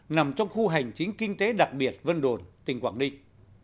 nằm trong khu hành chính kinh tế đặc biệt vân đồn tỉnh quảng ninh